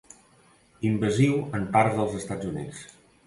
Invasiu en parts dels Estats Units.